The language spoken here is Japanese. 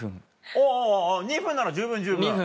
おぉ２分なら十分十分。